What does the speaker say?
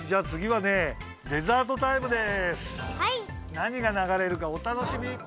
なにが流れるかお楽しみ。